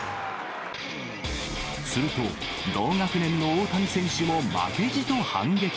すると、同学年の大谷選手も負けじと反撃。